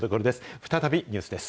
再びニュースです。